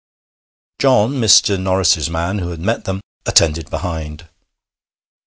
John, Mr. Norris's man, who had met them, attended behind.